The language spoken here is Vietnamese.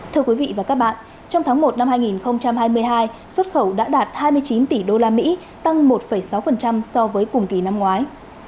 thưa quý vị và các bạn trong tháng một năm hai nghìn hai mươi hai xuất khẩu đã đạt hai mươi chín tỷ usd tăng một sáu so với cùng kỳ năm ngoái